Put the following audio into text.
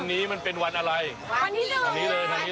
คนสนใจถามเยอะไหมว่าทำไมมันเปลี่ยนไป